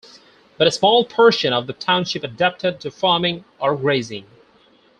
But a Small portion of the Township adapted to farming or grazing.